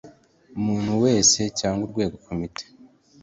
muntu wese cyangwa urwego Komite